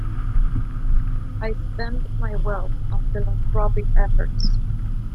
I spend my wealth on philanthropic efforts.